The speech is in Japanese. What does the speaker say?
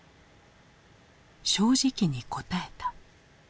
正直に答えた。